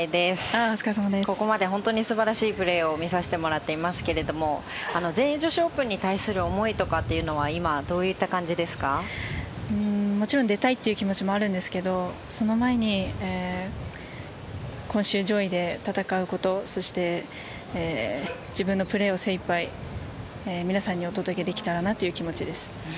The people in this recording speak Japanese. ここまで本当に素晴らしいプレーを見させてもらっていますが全英女子オープンに対する思いとかはもちろん出たいという気持ちもあるんですけどその前に今週、上位で戦うことそして、自分のプレーを精一杯皆さんにお届けできたらなという気持ちです。